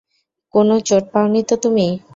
কোনও চোট পাওনি তো তুমি?